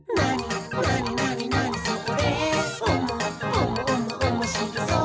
おもしろそう！」